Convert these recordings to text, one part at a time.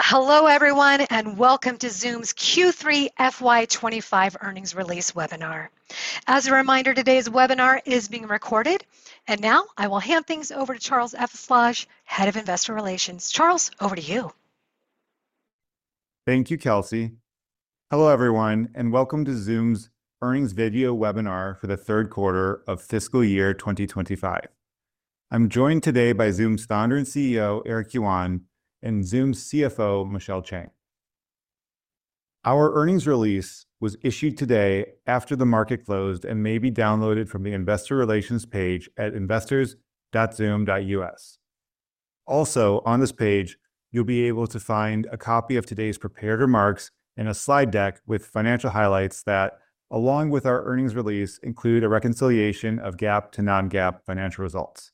Hello everyone, and welcome to Zoom's Q3 FY2025 Earnings Release Webinar. As a reminder, today's webinar is being recorded, and now I will hand things over to Charles Eveslage, Head of Investor Relations. Charles, over to you. Thank you, Kelsey. Hello everyone, and welcome to Zoom's earnings video webinar for the Q3 of fiscal year 2025. I'm joined today by Zoom's founder and CEO, Eric Yuan, and Zoom's CFO, Michelle Chang. Our earnings release was issued today after the market closed and may be downloaded from the Investor Relations page at investors.zoom.us. Also, on this page, you'll be able to find a copy of today's prepared remarks and a slide deck with financial highlights that, along with our earnings release, include a reconciliation of GAAP to non-GAAP financial results.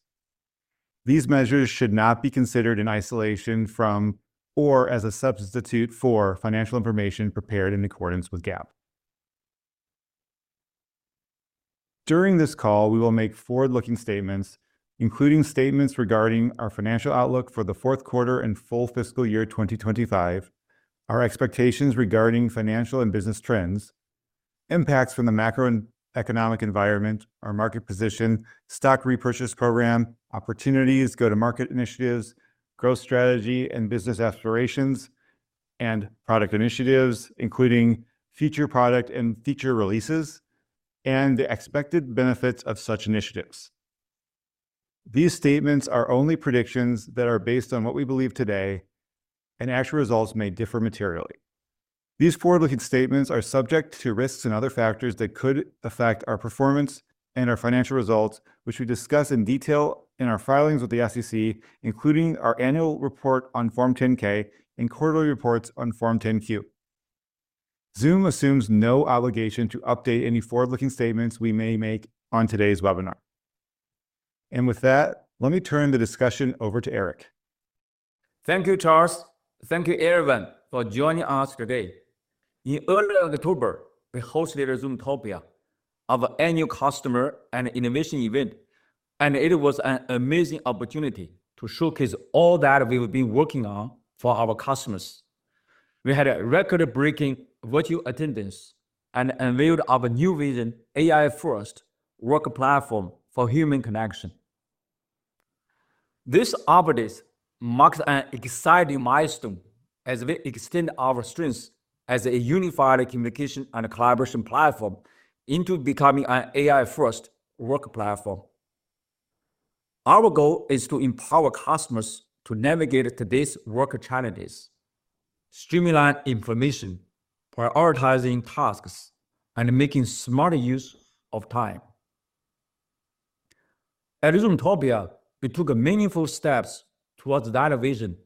These measures should not be considered in isolation from or as a substitute for financial information prepared in accordance with GAAP. During this call, we will make forward-looking statements, including statements regarding our financial outlook for Q4 and full fiscal year 2025, our expectations regarding financial and business trends, impacts from the macroeconomic environment, our market position, stock repurchase program, opportunities, go-to-market initiatives, growth strategy and business aspirations, and product initiatives, including future product and feature releases, and the expected benefits of such initiatives. These statements are only predictions that are based on what we believe today, and actual results may differ materially. These forward-looking statements are subject to risks and other factors that could affect our performance and our financial results, which we discuss in detail in our filings with the SEC, including our annual report on Form 10-K and quarterly reports on Form 10-Q. Zoom assumes no obligation to update any forward-looking statements we may make on today's webinar. With that, let me turn the discussion over to Eric. Thank you, Charles. Thank you, everyone, for joining us today. In early October, we hosted Zoomtopia, our annual customer and innovation event, and it was an amazing opportunity to showcase all that we've been working on for our customers. We had a record-breaking virtual attendance and unveiled our new vision, AI-first work platform for human connection. This update marks an exciting milestone as we extend our strengths as a unified communication and collaboration platform into becoming an AI-first work platform. Our goal is to empower customers to navigate today's work challenges, streamline information, prioritize tasks, and make smarter use of time. At Zoomtopia, we took meaningful steps towards that vision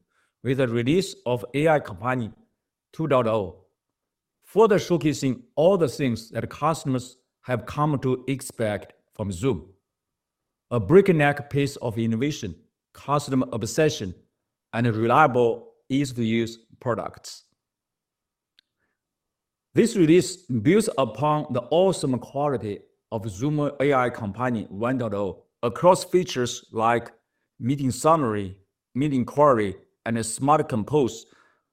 with the release of AI Companion 2.0, further showcasing all the things that customers have come to expect from Zoom: a breakneck pace of innovation, customer obsession, and reliable, easy-to-use products. This release builds upon the awesome quality of Zoom AI Companion 1.0 across features like meeting summary, meeting query, and smart compose,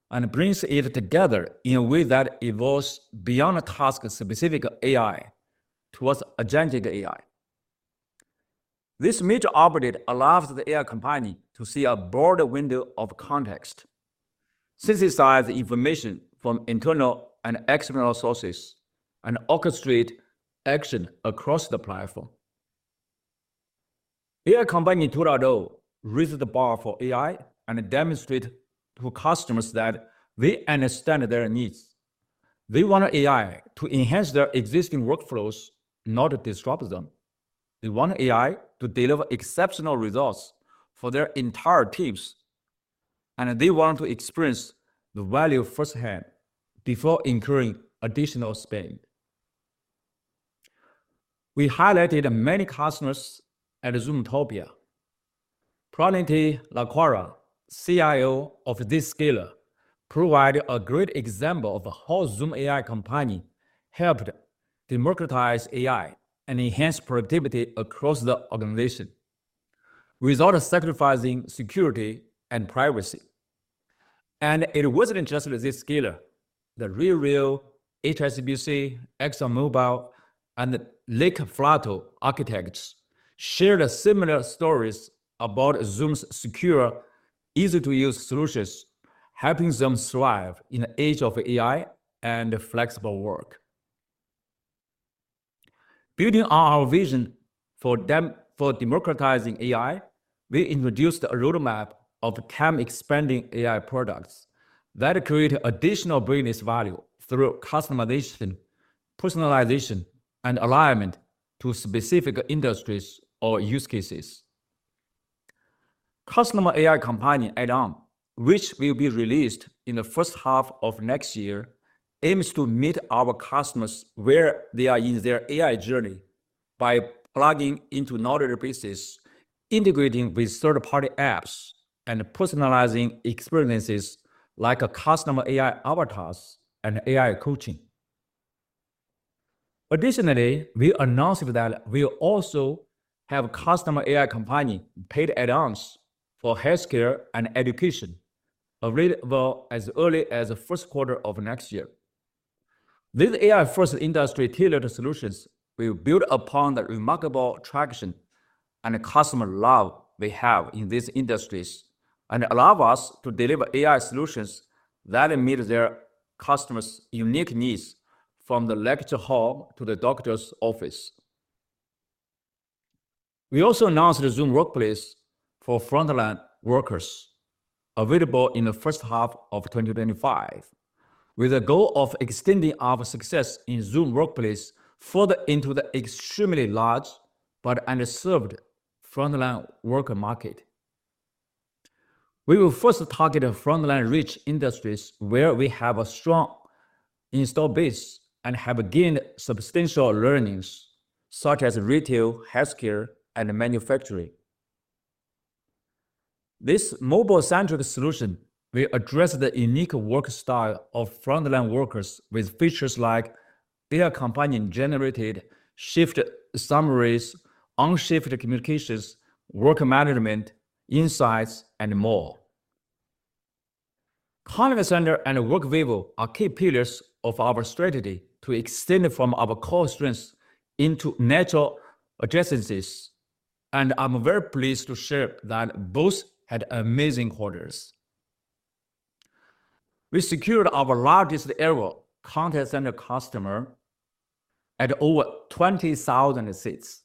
and brings it together in a way that evolves beyond task-specific AI towards agentic AI. This major update allows the AI Companion to see a broader window of context, synthesize information from internal and external sources, and orchestrate action across the platform. AI Companion 2.0 raises the bar for AI and demonstrates to customers that we understand their needs. They want AI to enhance their existing workflows, not disrupt them. They want AI to deliver exceptional results for their entire teams, and they want to experience the value firsthand before incurring additional spend. We highlighted many customers at Zoomtopia. Praniti Lakhwara, CIO of Zscaler, provided a great example of how Zoom AI Companion helped democratize AI and enhance productivity across the organization without sacrificing security and privacy. It wasn't just Zscaler. The RealReal, HSBC, ExxonMobil, and Flad Architects shared similar stories about Zoom's secure, easy-to-use solutions, helping Zoom thrive in the age of AI and flexible work. Building on our vision for democratizing AI, we introduced a roadmap of time-expanding AI products that create additional business value through customization, personalization, and alignment to specific industries or use cases. Zoom AI Companion add-on, which will be released in the first half of next year, aims to meet our customers where they are in their AI journey by plugging into knowledge bases, integrating with third-party apps, and personalizing experiences like customer AI avatars and AI coaching. Additionally, we announced that we will also have Zoom AI Companion paid add-ons for healthcare and education available as early as the first quarter of next year. These AI-first industry tailored solutions will build upon the remarkable traction and customer love we have in these industries and allow us to deliver AI solutions that meet their customers' unique needs from the lecture hall to the doctor's office. We also announced the Zoom Workplace for Frontline Workers available in the first half of 2025, with the goal of extending our success in Zoom Workplace further into the extremely large but underserved frontline worker market. We will first target frontline rich industries where we have a strong installed base and have gained substantial learnings, such as retail, healthcare, and manufacturing. This mobile-centric solution will address the unique work style of frontline workers with features like AI Companion-generated shift summaries, on-shift communications, work management, insights, and more. Contact Center and Workvivo are key pillars of our strategy to extend from our core strengths into natural adjacencies, and I'm very pleased to share that both had amazing quarters. We secured our largest-ever contact center customer at over 20,000 seats,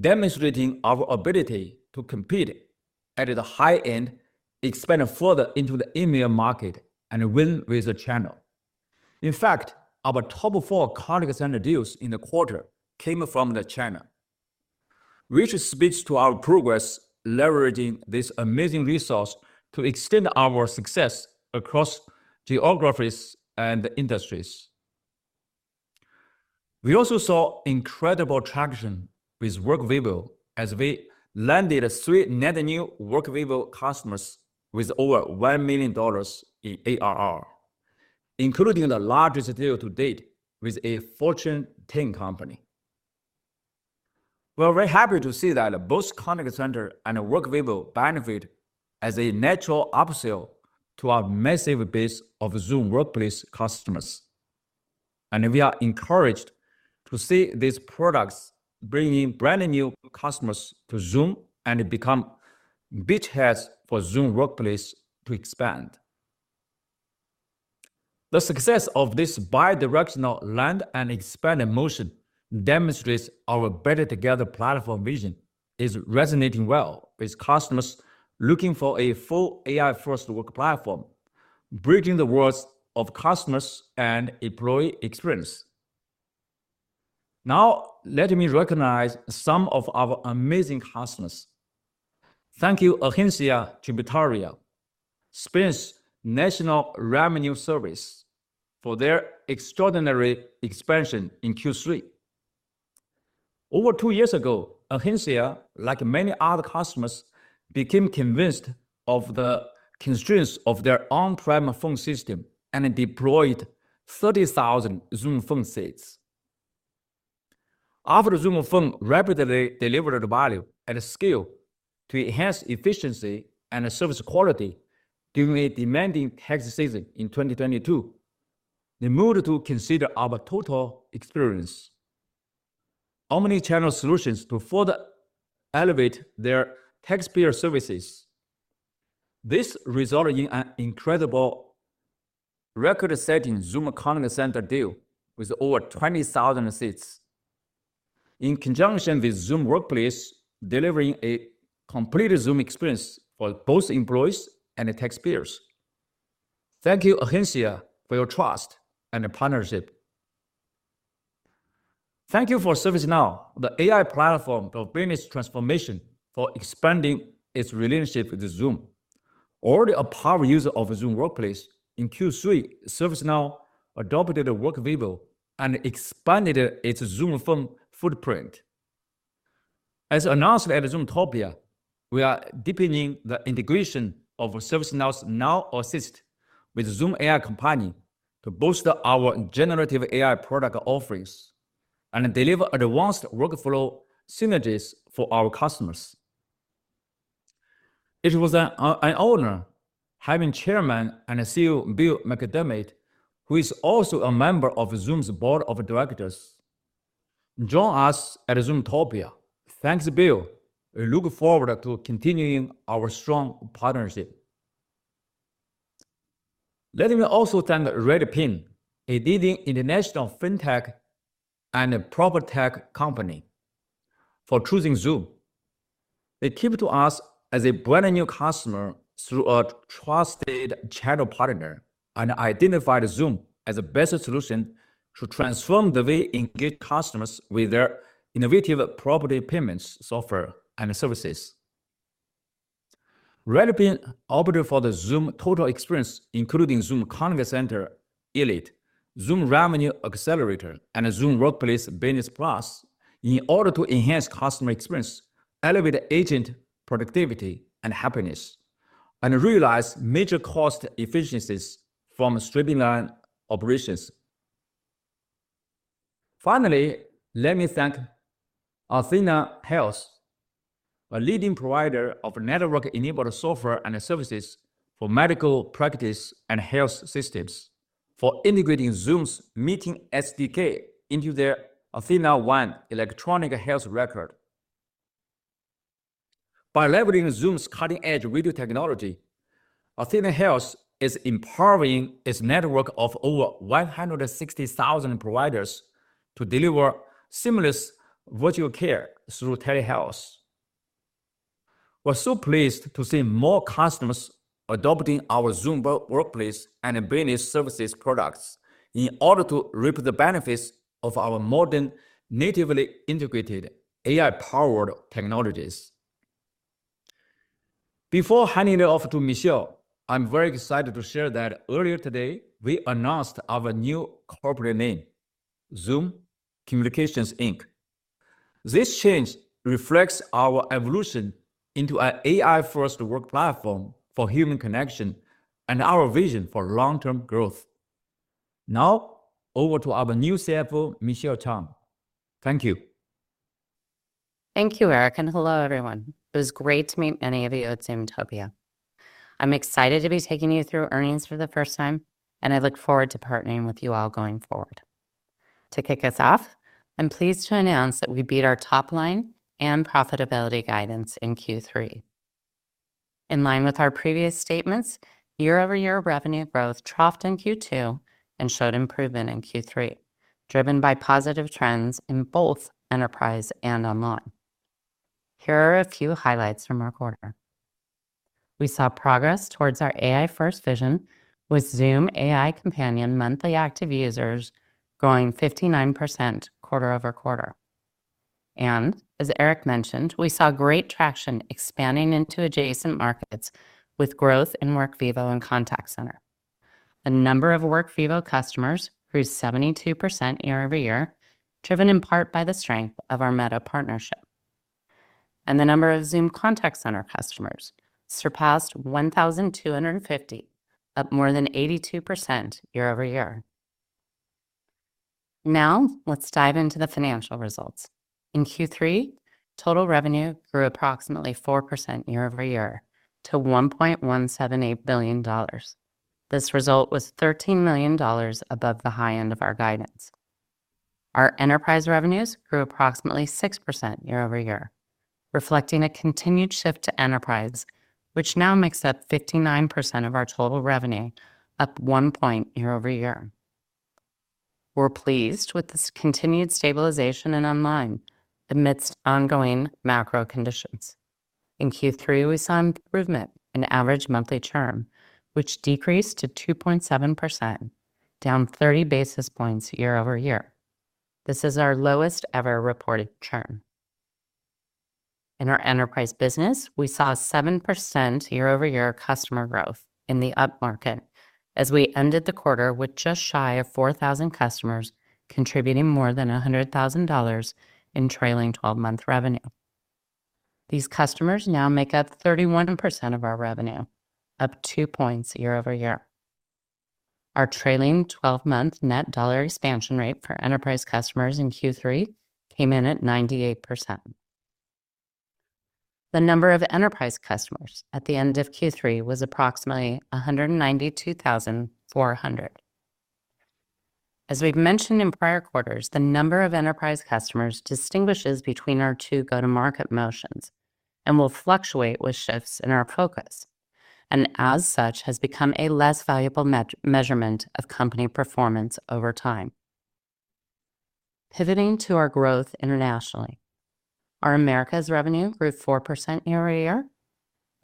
demonstrating our ability to compete at the high end, expand further into the EMEA market, and win with the channel. In fact, our top four contact center deals in the quarter came from the channel, which speaks to our progress leveraging this amazing resource to extend our success across geographies and industries. We also saw incredible traction with Workvivo as we landed three net new Workvivo customers with over $1 million in ARR, including the largest deal to date with a Fortune 10 company. We're very happy to see that both Contact Center and Workvivo benefit as a natural upsell to our massive base of Zoom Workplace customers, and we are encouraged to see these products bringing brand new customers to Zoom and become beachheads for Zoom Workplace to expand. The success of this bidirectional land and expanded motion demonstrates our better-together platform vision is resonating well with customers looking for a full AI-first work platform, bridging the worlds of customers and employee experience. Now, let me recognize some of our amazing customers. Thank you, Agencia Tributaria, Spain's national revenue service, for their extraordinary expansion in Q3. Over two years ago, Agencia Tributaria, like many other customers, became convinced of the constraints of their on-prem phone system and deployed 30,000 Zoom Phone seats. After Zoom Phone rapidly delivered value at scale to enhance efficiency and service quality during a demanding tax season in 2022, they moved to consider our total experience omnichannel solutions to further elevate their taxpayer services. This resulted in an incredible record-setting Zoom Contact Center deal with over 20,000 seats, in conjunction with Zoom Workplace delivering a complete Zoom experience for both employees and taxpayers. Thank you, Agencia Tributaria, for your trust and partnership. Thank you, ServiceNow, the AI platform for business transformation, for expanding its relationship with Zoom. Already a power user of Zoom Workplace, in Q3, ServiceNow adopted WorkVivo and expanded its Zoom Phone footprint. As announced at Zoomtopia, we are deepening the integration of ServiceNow's Now Assist with Zoom AI Companion to boost our generative AI product offerings and deliver advanced workflow synergies for our customers. It was an honor having Chairman and CEO Bill McDermott, who is also a member of Zoom's Board of Directors, join us at Zoomtopia. Thanks, Bill. We look forward to continuing our strong partnership. Let me also thank Redpin, a leading international fintech and Proptech company, for choosing Zoom. They came to us as a brand new customer through a trusted channel partner and identified Zoom as the best solution to transform the way we engage customers with their innovative property payments software and services. Redpin opted for the Zoom Total Experience, including Zoom Contact Center Elite, Zoom Revenue Accelerator, and Zoom Workplace Business Plus in order to enhance customer experience, elevate agent productivity and happiness, and realize major cost efficiencies from streamlining operations. Finally, let me thank Athenahealth, a leading provider of network-enabled software and services for medical practice and health systems, for integrating Zoom's Meeting SDK into their athenaOne electronic health record. By leveraging Zoom's cutting-edge video technology, Athenahealth is empowering its network of over 160,000 providers to deliver seamless virtual care through telehealth. We're so pleased to see more customers adopting our Zoom Workplace and business services products in order to reap the benefits of our modern, natively integrated AI-powered technologies. Before handing it off to Michelle, I'm very excited to share that earlier today, we announced our new corporate name, Zoom Communications Inc. This change reflects our evolution into an AI-first work platform for human connection and our vision for long-term growth. Now, over to our new CFO, Michelle Chang. Thank you. Thank you, Eric, and hello, everyone. It was great to meet many of you at Zoomtopia. I'm excited to be taking you through earnings for the first time, and I look forward to partnering with you all going forward. To kick us off, I'm pleased to announce that we beat our top line and profitability guidance in Q3. In line with our previous statements, year-over-year revenue growth troughed in Q2 and showed improvement in Q3, driven by positive trends in both enterprise and online. Here are a few highlights from our quarter. We saw progress towards our AI-first vision with Zoom AI Companion monthly active users growing 59% quarter over quarter. And as Eric mentioned, we saw great traction expanding into adjacent markets with growth in WorkVivo and Contact Center. The number of WorkVivo customers grew 72% year-over-year, driven in part by the strength of our Meta partnership. The number of Zoom Contact Center customers surpassed 1,250, up more than 82% year-over-year. Now, let's dive into the financial results. In Q3, total revenue grew approximately 4% year-over-year to $1.178 billion. This result was $13 million above the high end of our guidance. Our enterprise revenues grew approximately 6% year-over-year, reflecting a continued shift to enterprise, which now makes up 59% of our total revenue, up 1 point year-over-year. We're pleased with this continued stabilization in online amidst ongoing macro conditions. In Q3, we saw improvement in average monthly churn, which decreased to 2.7%, down 30 basis points year-over-year. This is our lowest-ever reported churn. In our enterprise business, we saw 7% year-over-year customer growth in the up market as we ended the quarter with just shy of 4,000 customers contributing more than $100,000 in trailing 12-month revenue. These customers now make up 31% of our revenue, up two points year-over-year. Our trailing 12-month net dollar expansion rate for enterprise customers in Q3 came in at 98%. The number of enterprise customers at the end of Q3 was approximately 192,400. As we've mentioned in prior quarters, the number of enterprise customers distinguishes between our two go-to-market motions and will fluctuate with shifts in our focus, and as such, has become a less valuable measurement of company performance over time. Pivoting to our growth internationally, our Americas revenue grew 4% year-over-year,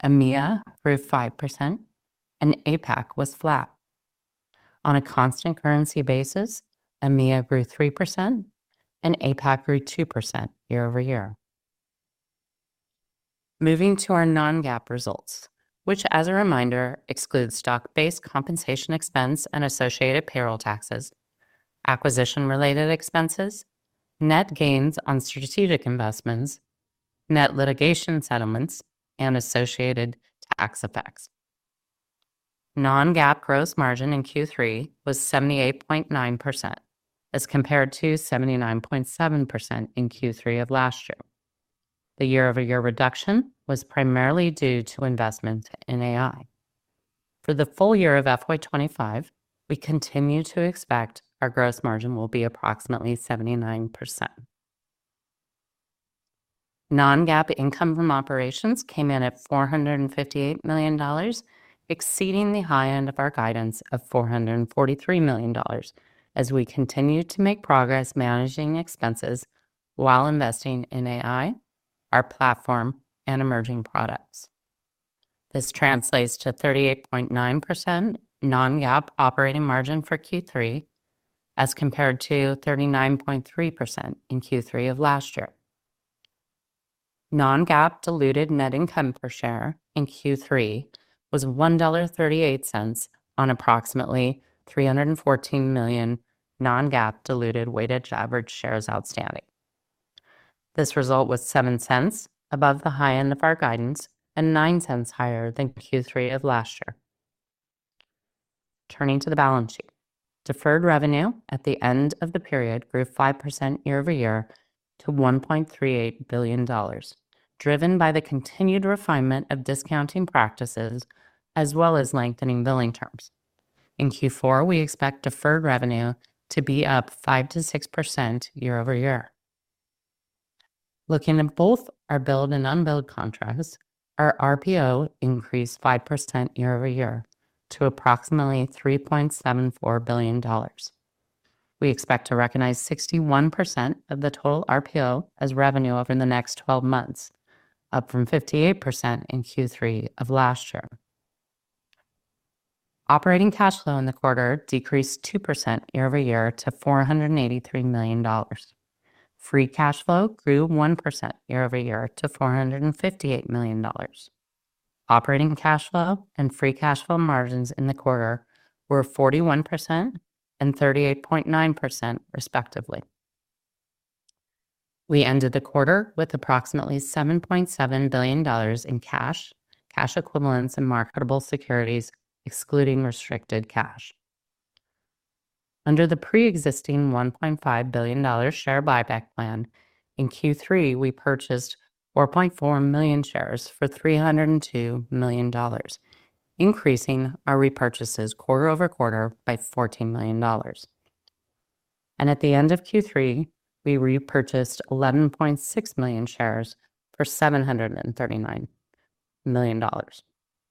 EMEA grew 5%, and APAC was flat. On a constant currency basis, EMEA grew 3% and APAC grew 2% year-over-year. Moving to our non-GAAP results, which, as a reminder, excludes stock-based compensation expense and associated payroll taxes, acquisition-related expenses, net gains on strategic investments, net litigation settlements, and associated tax effects. Non-GAAP gross margin in Q3 was 78.9%, as compared to 79.7% in Q3 of last year. The year-over-year reduction was primarily due to investment in AI. For the full year of FY2025, we continue to expect our gross margin will be approximately 79%. Non-GAAP income from operations came in at $458 million, exceeding the high end of our guidance of $443 million as we continue to make progress managing expenses while investing in AI, our platform, and emerging products. This translates to 38.9% non-GAAP operating margin for Q3, as compared to 39.3% in Q3 of last year. Non-GAAP diluted net income per share in Q3 was $1.38 on approximately 314 million non-GAAP diluted weighted average shares outstanding. This result was $0.07 above the high end of our guidance and $0.09 higher than Q3 of last year. Turning to the balance sheet, deferred revenue at the end of the period grew 5% year-over-year to $1.38 billion, driven by the continued refinement of discounting practices as well as lengthening billing terms. In Q4, we expect deferred revenue to be up 5%-6% year-over-year. Looking at both our billed and unbilled contracts, our RPO increased 5% year-over-year to approximately $3.74 billion. We expect to recognize 61% of the total RPO as revenue over the next 12 months, up from 58% in Q3 of last year. Operating cash flow in the quarter decreased 2% year-over-year to $483 million. Free cash flow grew 1% year-over-year to $458 million. Operating cash flow and free cash flow margins in the quarter were 41% and 38.9%, respectively. We ended the quarter with approximately $7.7 billion in cash, cash equivalents, and marketable securities, excluding restricted cash. Under the pre-existing $1.5 billion share buyback plan, in Q3, we purchased 4.4 million shares for $302 million, increasing our repurchases quarter over quarter by $14 million. And at the end of Q3, we repurchased 11.6 million shares for $739 million.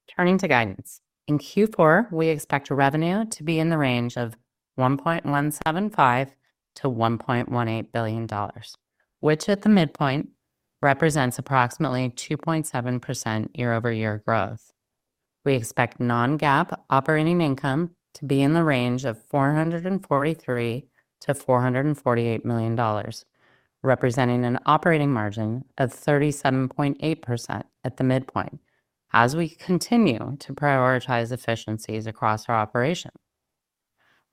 Turning to guidance, in Q4, we expect revenue to be in the range of $1.175-1.18 billion, which at the midpoint represents approximately 2.7% year-over-year growth. We expect non-GAAP operating income to be in the range of $443-448 million, representing an operating margin of 37.8% at the midpoint as we continue to prioritize efficiencies across our operations.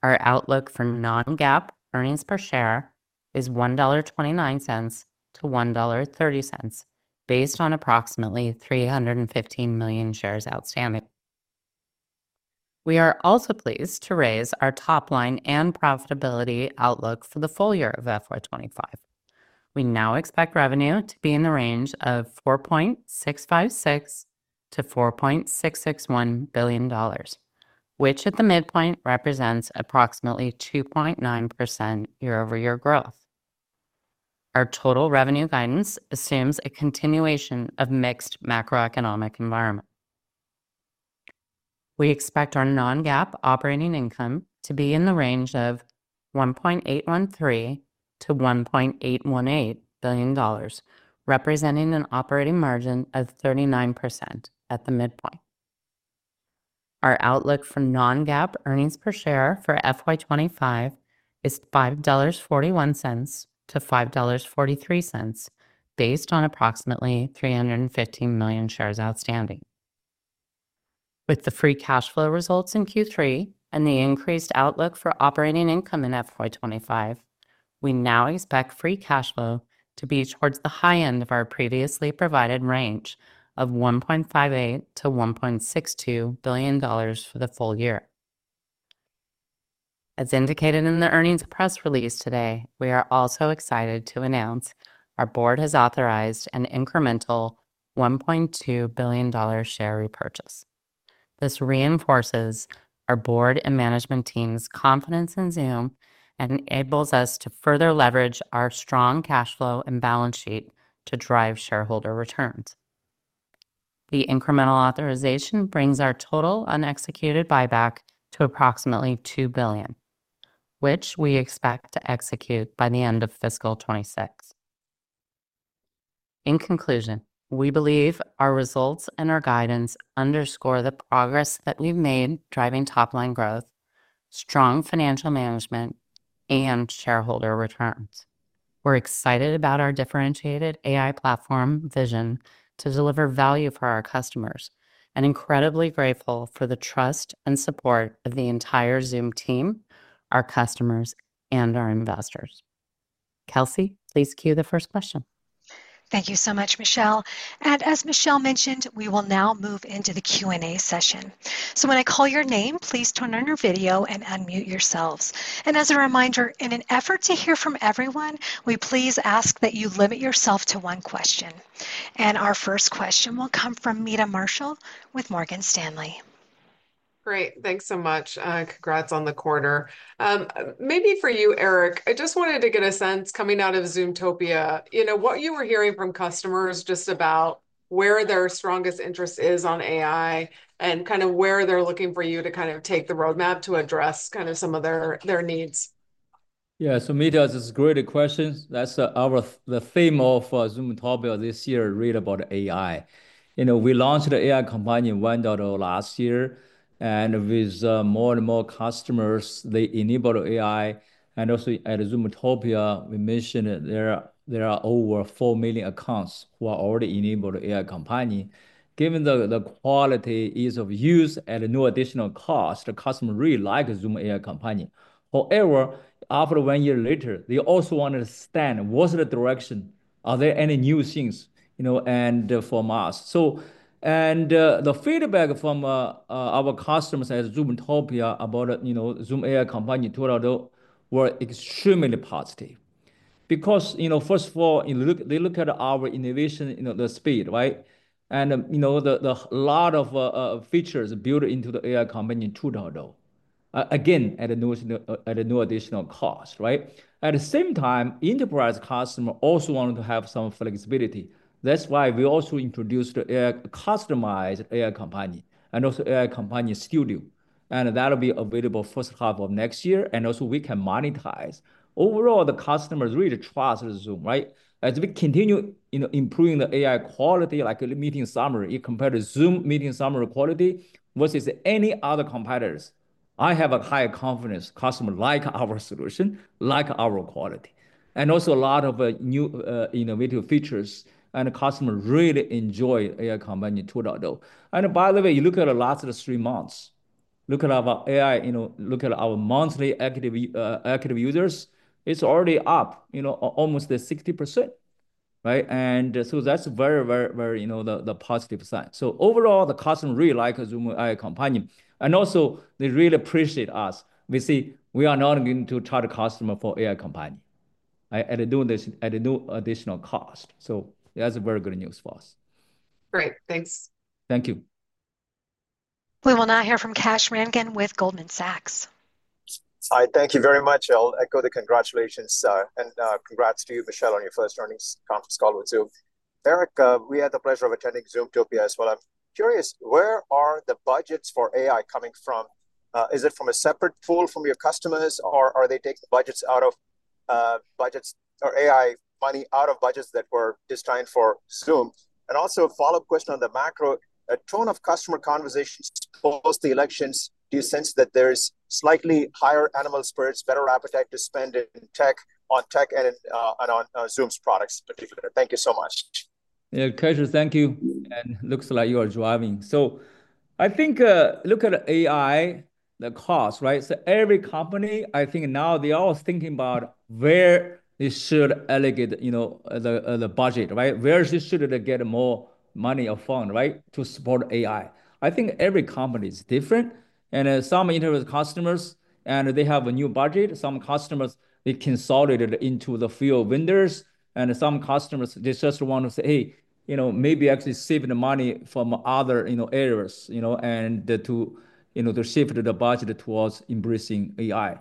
Our outlook for non-GAAP earnings per share is $1.29-1.30 based on approximately 315 million shares outstanding. We are also pleased to raise our top line and profitability outlook for the full year of FY2025. We now expect revenue to be in the range of $4.656-4.661 billion, which at the midpoint represents approximately 2.9% year-over-year growth. Our total revenue guidance assumes a continuation of mixed macroeconomic environment. We expect our non-GAAP operating income to be in the range of $1.813-1.818 billion, representing an operating margin of 39% at the midpoint. Our outlook for non-GAAP earnings per share for FY2025 is $5.41-5.43 based on approximately 315 million shares outstanding. With the free cash flow results in Q3 and the increased outlook for operating income in FY2025, we now expect free cash flow to be towards the high end of our previously provided range of $1.58-1.62 billion for the full year. As indicated in the earnings press release today, we are also excited to announce our board has authorized an incremental $1.2 billion share repurchase. This reinforces our board and management team's confidence in Zoom and enables us to further leverage our strong cash flow and balance sheet to drive shareholder returns. The incremental authorization brings our total unexecuted buyback to approximately $2 billion, which we expect to execute by the end of fiscal 2026. In conclusion, we believe our results and our guidance underscore the progress that we've made driving top line growth, strong financial management, and shareholder returns. We're excited about our differentiated AI platform vision to deliver value for our customers and incredibly grateful for the trust and support of the entire Zoom team, our customers, and our investors. Kelsey, please cue the first question. Thank you so much, Michelle. And as Michelle mentioned, we will now move into the Q&A session. So when I call your name, please turn on your video and unmute yourselves. And as a reminder, in an effort to hear from everyone, we please ask that you limit yourself to one question. And our first question will come from Meta Marshall with Morgan Stanley. Great. Thanks so much. Congrats on the quarter. Maybe for you, Eric, I just wanted to get a sense coming out of Zoomtopia, you know what you were hearing from customers just about where their strongest interest is on AI and kind of where they're looking for you to kind of take the roadmap to address kind of some of their needs. Yeah, so Meta, this is a great question. That's our theme of Zoomtopia this year, really about AI. You know we launched the AI Companion 1.0 last year. And with more and more customers, they enable AI. And also at Zoomtopia, we mentioned there are over four million accounts who are already enabled AI Companion. Given the quality, ease of use, and no additional cost, the customer really likes Zoom AI Companion. However, after one year later, they also wanted to understand, what's the direction? Are there any new things? You know, and for us. So and the feedback from our customers at Zoomtopia about, you know, Zoom AI Companion were extremely positive. Because, you know, first of all, they look at our innovation, you know, the speed, right? You know, there's a lot of features built into the AI Companion 2.0, again, at no additional cost, right? At the same time, enterprise customers also wanted to have some flexibility. That's why we also introduced the customized AI Companion and also AI Companion Studio. And that'll be available first half of next year. And also we can monetize. Overall, the customers really trust Zoom, right? As we continue, you know, improving the AI quality, like a meeting summary, you compare the Zoom meeting summary quality versus any other competitors. I have high confidence customers like our solution, like our quality. And also a lot of new innovative features. And the customers really enjoy AI Companion 2.0. By the way, you look at the last three months, look at our AI, you know, look at our monthly active users, it's already up, you know, almost 60%, right? And so that's very, very, very, you know, the positive sign. So overall, the customer really like Zoom AI Companion. And also they really appreciate us. As we are not going to charge a customer for AI Companion, right? At no additional cost. So that's very good news for us. Great. Thanks. Thank you. We will now hear from Kash Rangan with Goldman Sachs. Hi, thank you very much. I'll echo the congratulations and congrats to you, Michelle, on your first earnings conference call with Zoom. Eric, we had the pleasure of attending Zoomtopia as well. I'm curious, where are the budgets for AI coming from? Is it from a separate pool from your customers, or are they taking budgets out of budgets or AI money out of budgets that were designed for Zoom? And also a follow-up question on the macro, a tone of customer conversations post the elections, do you sense that there's slightly higher animal spirits, better appetite to spend in tech, on tech and on Zoom's products particularly? Thank you so much. Yeah, Kash, thank you. And looks like you are driving. So I think look at AI, the cost, right? So every company, I think now they're all thinking about where they should allocate, you know, the budget, right? Where should they get more money or fund, right, to support AI? I think every company is different. And some interviewed customers, and they have a new budget. Some customers, they consolidated into a few vendors. And some customers, they just want to say, hey, you know, maybe actually save the money from other, you know, areas, you know, and to, you know, to shift the budget towards embracing AI.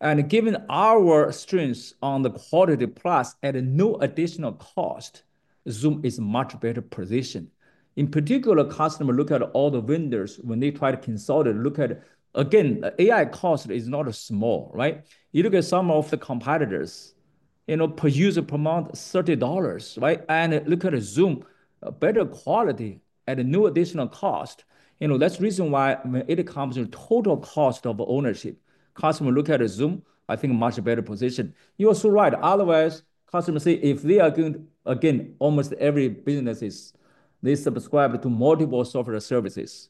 And given our strengths on the quality plus at no additional cost, Zoom is in a much better position. In particular, customers look at all the vendors when they try to consolidate, look at, again, the AI cost is not small, right? You look at some of the competitors, you know, per user per month, $30, right? And look at a Zoom, better quality at no additional cost. You know, that's the reason why when it comes to total cost of ownership, customer look at a Zoom. I think a much better position. You're so right. Otherwise, customer say if they are going to, again, almost every business is they subscribe to multiple software services.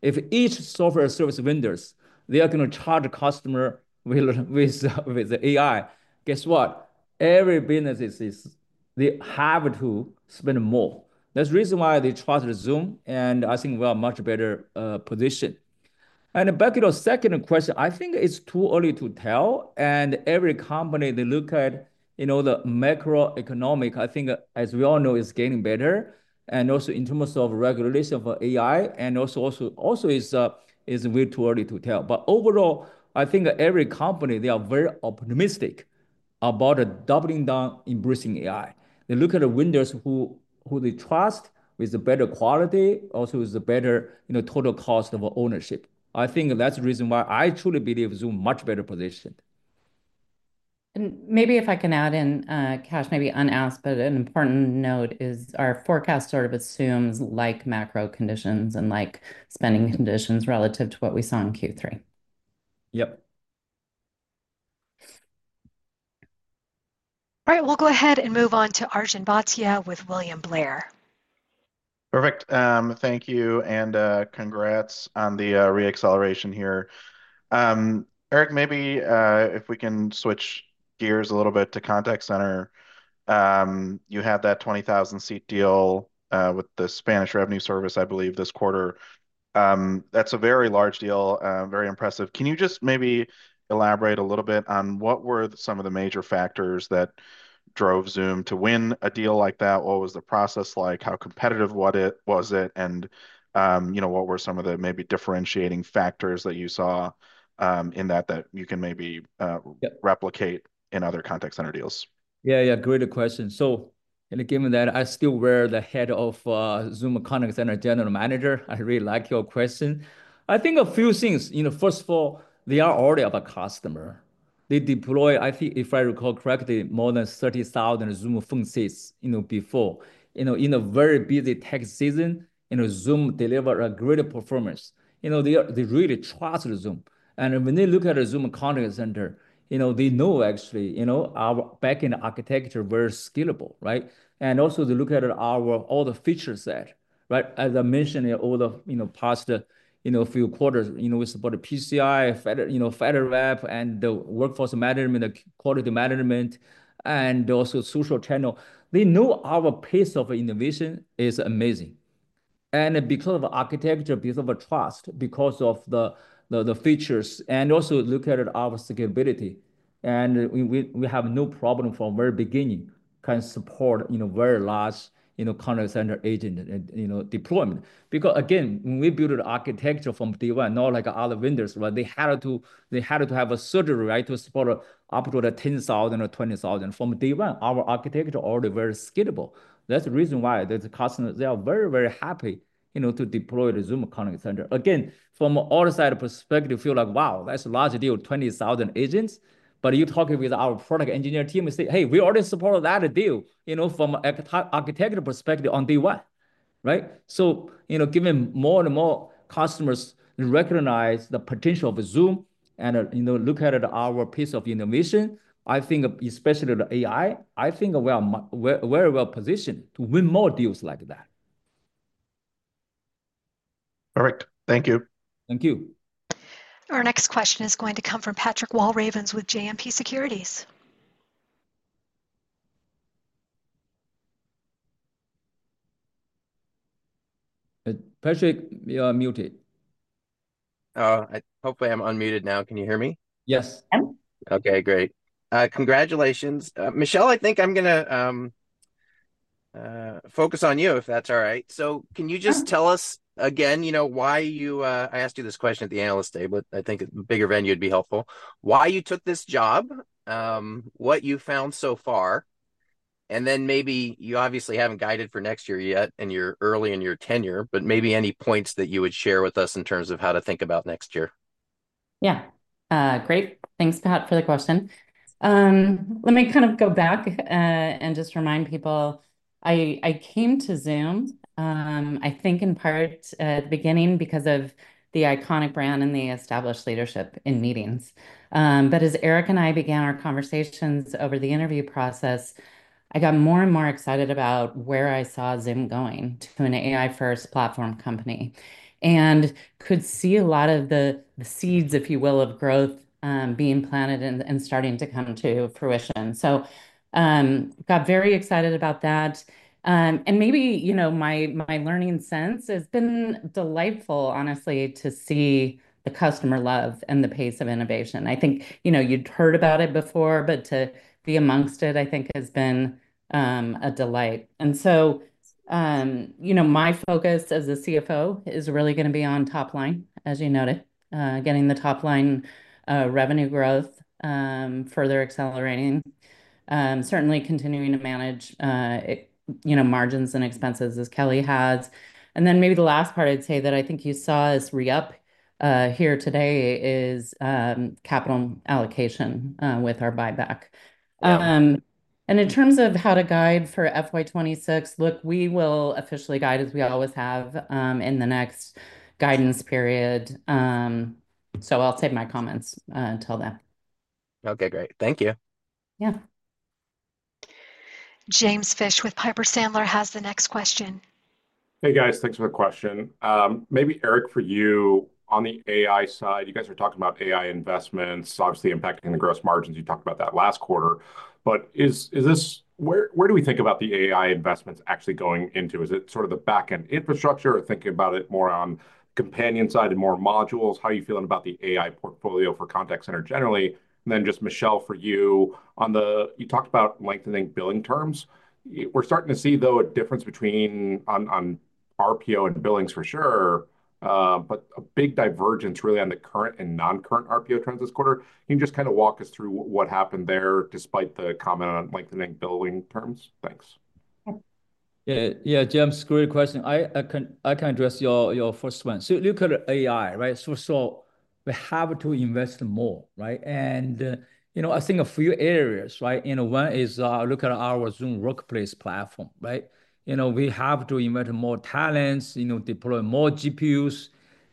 If each software service vendors, they are going to charge a customer with AI, guess what? Every business is they have to spend more. That's the reason why they trust Zoom. And I think we are a much better position. And back to the second question, I think it's too early to tell. And every company, they look at, you know, the macroeconomic. I think as we all know, is getting better. And also in terms of regulation for AI and also is way too early to tell. But overall, I think every company, they are very optimistic about doubling down embracing AI. They look at the vendors who they trust with the better quality, also with the better, you know, total cost of ownership. I think that's the reason why I truly believe Zoom is a much better position. Maybe if I can add in, Kash, maybe unasked, but an important note is our forecast sort of assumes like macro conditions and like spending conditions relative to what we saw in Q3. Yep. All right, we'll go ahead and move on to Arjun Bhatia with William Blair. Perfect. Thank you. And congrats on the reacceleration here. Eric, maybe if we can switch gears a little bit to contact center. You had that 20,000 seat deal with the Spanish revenue service, I believe, this quarter. That's a very large deal, very impressive. Can you just maybe elaborate a little bit on what were some of the major factors that drove Zoom to win a deal like that? What was the process like? How competitive was it? And you know, what were some of the maybe differentiating factors that you saw in that that you can maybe replicate in other contact center deals? Yeah, yeah, great question. So given that I still am the head of Zoom Contact Center General Manager, I really like your question. I think a few things, you know, first of all, they are already a customer. They deploy, I think if I recall correctly, more than 30,000 Zoom Phone seats before in a very busy tech season. You know, Zoom delivered a great performance. You know, they really trust Zoom. And when they look at a Zoom Contact Center, you know, they know actually, you know, our backend architecture is very scalable, right? And also they look at our all the feature set, right? As I mentioned, all the, you know, past, you know, few quarters, you know, we supported PCI, you know, FedRAMP and the workforce management, the quality management, and also social channel. They know our pace of innovation is amazing. And because of the architecture, because of the trust, because of the features, and also look at our scalability. We have no problem from the very beginning can support, you know, very large, you know, contact center agent, you know, deployment. Because again, when we built the architecture from day one, not like other vendors, right? They had to have a surgery, right, to support up to the 10,000 or 20,000 from day one. Our architecture is already very scalable. That's the reason why there's a customer. They are very, very happy, you know, to deploy the Zoom Contact Center. Again, from all the side perspective, feel like, wow, that's a large deal, 20,000 agents. But you talking with our product engineer team, say, hey, we already support that deal, you know, from an architectural perspective on day one, right? So, you know, given more and more customers recognize the potential of Zoom and, you know, look at our piece of innovation, I think especially the AI, I think we are very well positioned to win more deals like that. Perfect. Thank you. Thank you. Our next question is going to come from Patrick Walravens with JMP Securities. Patrick, you're muted. Hopefully I'm unmuted now. Can you hear me? Yes. Okay, great. Congratulations. Michelle, I think I'm going to focus on you if that's all right. So can you just tell us again, you know, why. I asked you this question at the analyst table. I think a bigger venue would be helpful. Why you took this job, what you found so far, and then maybe you obviously haven't guided for next year yet and you're early in your tenure, but maybe any points that you would share with us in terms of how to think about next year. Yeah. Great. Thanks, Pat, for the question. Let me kind of go back and just remind people I came to Zoom, I think in part at the beginning because of the iconic brand and the established leadership in meetings. But as Eric and I began our conversations over the interview process, I got more and more excited about where I saw Zoom going to an AI-first platform company and could see a lot of the seeds, if you will, of growth being planted and starting to come to fruition. So got very excited about that. And maybe, you know, my learning sense has been delightful, honestly, to see the customer love and the pace of innovation. I think, you know, you'd heard about it before, but to be amongst it, I think has been a delight. And so, you know, my focus as a CFO is really going to be on top line, as you noted, getting the top line revenue growth further accelerating, certainly continuing to manage, you know, margins and expenses as Kelly has. And then maybe the last part I'd say that I think you saw as re-up here today is capital allocation with our buyback. And in terms of how to guide for FY26, look, we will officially guide as we always have in the next guidance period. So I'll save my comments until then. Okay, great. Thank you. Yeah. James Fish with Piper Sandler has the next question. Hey, guys, thanks for the question. Maybe Eric, for you on the AI side, you guys are talking about AI investments, obviously impacting the gross margins. You talked about that last quarter. But is this where do we think about the AI investments actually going into? Is it sort of the backend infrastructure or thinking about it more on companion side and more modules? How are you feeling about the AI portfolio for contact center generally? And then just Michelle, for you on the you talked about lengthening billing terms. We're starting to see, though, a difference between on RPO and billings for sure, but a big divergence really on the current and non-current RPO trends this quarter. Can you just kind of walk us through what happened there despite the comment on lengthening billing terms? Thanks. Yeah, yeah, James, great question. I can address your first one. So look at AI, right? So we have to invest more, right? And, you know, I think a few areas, right? You know, one is look at our Zoom Workplace platform, right? You know, we have to invest more talents, you know, deploy more GPUs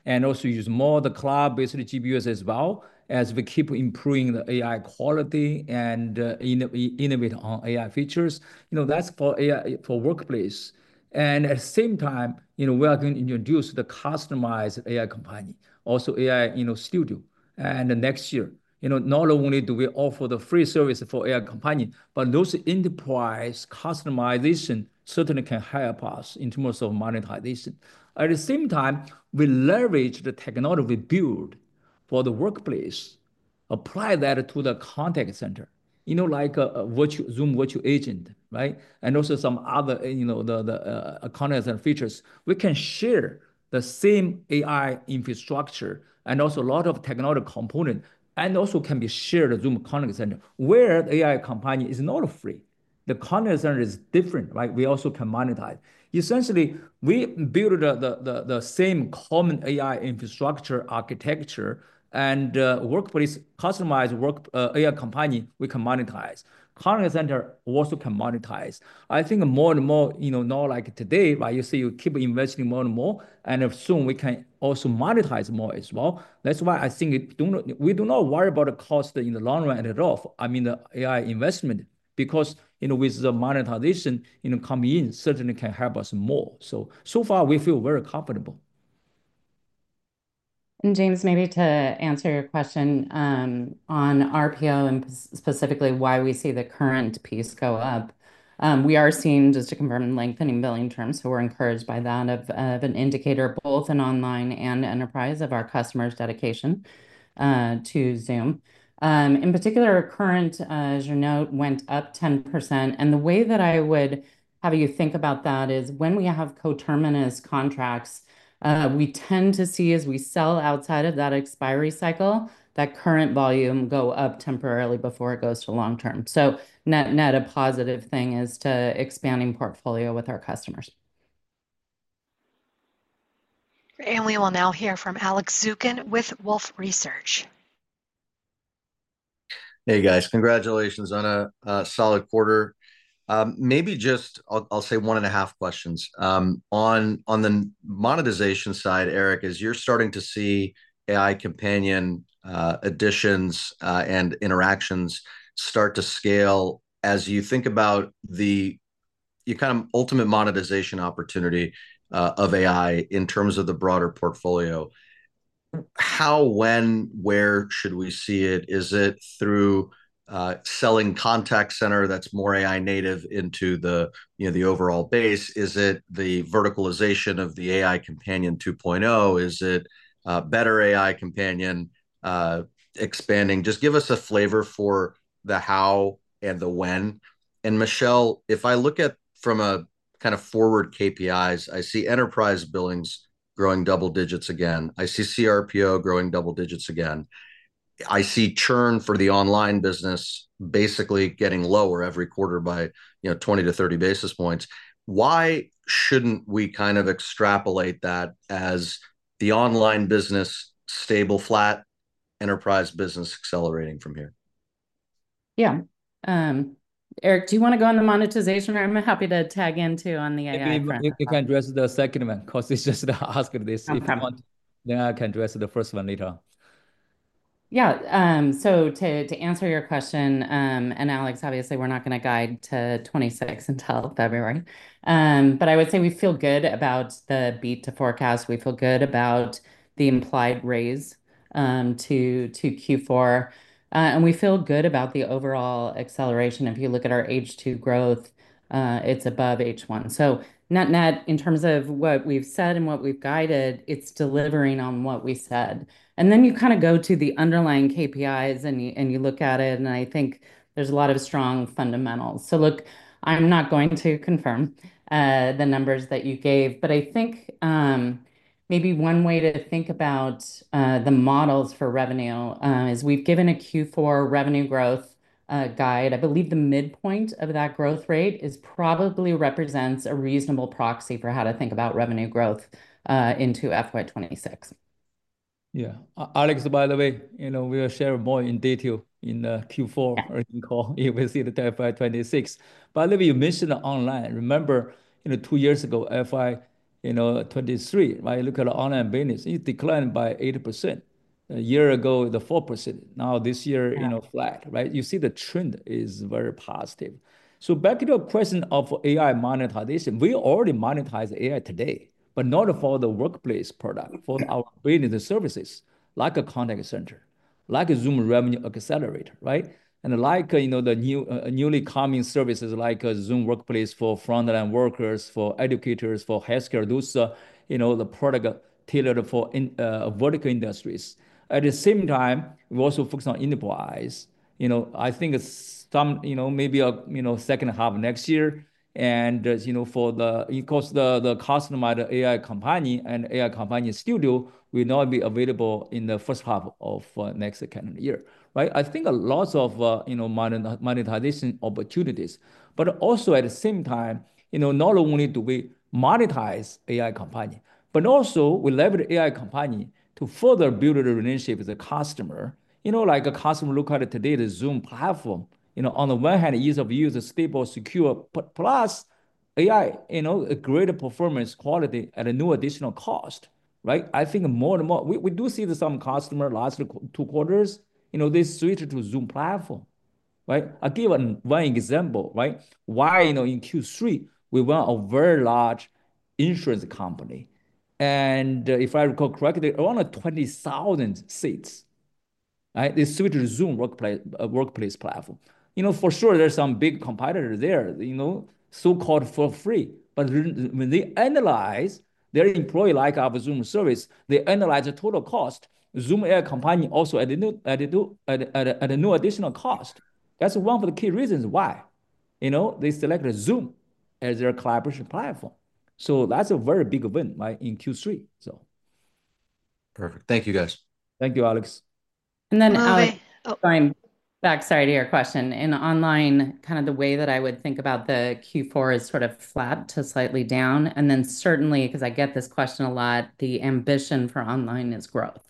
and also use more of the cloud-based GPUs as well as we keep improving the AI quality and innovate on AI features. You know, that's for AI for workplace. And at the same time, you know, we are going to introduce the customized AI Companion, also AI, you know, studio. And next year, you know, not only do we offer the free service for AI Companion, but those enterprise customization certainly can help us in terms of monetization. At the same time, we leverage the technology we build for the workplace, apply that to the contact center, you know, like a Zoom Virtual Agent, right? And also some other, you know, the contact center features. We can share the same AI infrastructure and also a lot of technology components and also can be shared at Zoom Contact Center where the AI Companion is not free. The contact center is different, right? We also can monetize. Essentially, we build the same common AI infrastructure architecture and workplace customized work AI Companion, we can monetize. Contact Center also can monetize. I think more and more, you know, not like today, right? You see, you keep investing more and more, and soon we can also monetize more as well. That's why I think we do not worry about the cost in the long run at all. I mean, the AI investment, because, you know, with the monetization, you know, coming in certainly can help us more. So far, we feel very comfortable. And James, maybe to answer your question on RPO and specifically why we see the current piece go up, we are seeing, just to confirm, lengthening billing terms. So we're encouraged by that as an indicator both in online and enterprise of our customers' dedication to Zoom. In particular, current, as you note, went up 10%. And the way that I would have you think about that is when we have coterminous contracts, we tend to see as we sell outside of that expiry cycle, that current volume go up temporarily before it goes to long term. So net a positive thing is to expanding portfolio with our customers. We will now hear from Alex Zukin with Wolfe Research. Hey, guys. Congratulations on a solid quarter. Maybe just I'll say one and a half questions. On the monetization side, Eric, as you're starting to see AI companion additions and interactions start to scale, as you think about the kind of ultimate monetization opportunity of AI in terms of the broader portfolio, how, when, where should we see it? Is it through selling contact center that's more AI native into the, you know, the overall base? Is it the verticalization of the AI companion 2.0? Is it better AI companion expanding? Just give us a flavor for the how and the when. And Michelle, if I look at from a kind of forward KPIs, I see enterprise billings growing double digits again. I see CRPO growing double digits again. I see churn for the online business basically getting lower every quarter by, you know, 20 to 30 basis points. Why shouldn't we kind of extrapolate that as the online business stable, flat, enterprise business accelerating from here? Yeah. Eric, do you want to go on the monetization? I'm happy to tag in too on the AI part. If I can address the second one, because it's just asking this. If you want, then I can address the first one later. Yeah. So to answer your question, and Alex, obviously, we're not going to guide to 26 until February. But I would say we feel good about the beat to forecast. We feel good about the implied raise to Q4. And we feel good about the overall acceleration. If you look at our H2 growth, it's above H1. So net in terms of what we've said and what we've guided, it's delivering on what we said. And then you kind of go to the underlying KPIs and you look at it, and I think there's a lot of strong fundamentals. So look, I'm not going to confirm the numbers that you gave, but I think maybe one way to think about the models for revenue is we've given a Q4 revenue growth guide. I believe the midpoint of that growth rate probably represents a reasonable proxy for how to think about revenue growth into FY2026. Yeah. Alex, by the way, you know, we will share more in detail in the Q4 earnings call if we see the FY2026. By the way, you mentioned online. Remember, you know, two years ago, FY2023, right? Look at the online business. It declined by 80%. A year ago, the 4%. Now this year, you know, flat, right? You see the trend is very positive. So back to your question of AI monetization, we already monetize AI today, but not for the workplace product, for our business services like a contact center, like a Zoom Revenue Accelerator, right? And like, you know, the newly coming services like Zoom Workplace for frontline workers, for educators, for healthcare, those, you know, the product tailored for vertical industries. At the same time, we also focus on enterprise. You know, I think some, you know, maybe a, you know, second half next year. You know, for the, because the customized AI Companion and AI Companion Studio will not be available in the first half of next calendar year, right? I think lots of, you know, monetization opportunities. But also at the same time, you know, not only do we monetize AI Companion, but also we leverage AI Companion to further build the relationship with the customer. You know, like a customer look at it today, the Zoom platform, you know, on the one hand, ease of use, stable, secure, plus AI, you know, a greater performance quality at no additional cost, right? I think more and more we do see some customers last two quarters, you know, they switch to Zoom platform, right? I give one example, right? We, you know, in Q3, we won a very large insurance company. And if I recall correctly, around 20,000 seats, right? They switched to Zoom Workplace platform. You know, for sure, there's some big competitors there, you know, so-called for free. But when they analyze their employee like our Zoom service, they analyze the total cost, Zoom AI Companion also at a new additional cost. That's one of the key reasons why, you know, they selected Zoom as their collaboration platform. So that's a very big win, right, in Q3. So. Perfect. Thank you, guys. Thank you, Alex. And then back, sorry, to your question. In online, kind of the way that I would think about the Q4 is sort of flat to slightly down. And then certainly, because I get this question a lot, the ambition for online is growth.